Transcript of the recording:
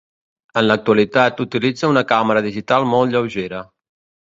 En l'actualitat utilitza una càmera digital molt lleugera.